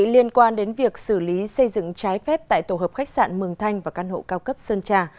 liên quan đến việc xử lý xây dựng trái phép tại tổ hợp khách sạn mường thanh và căn hộ cao cấp sơn trà